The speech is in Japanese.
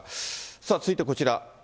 さあ、続いてこちら。